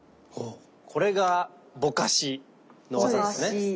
これがぼかしの技ですね。